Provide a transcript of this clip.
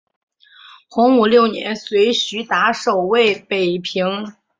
洪武六年随徐达守卫北平。